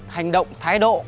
hành động thái độ